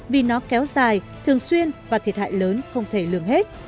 vì nó kéo dài thường xuyên và thiệt hại lớn không thể lường hết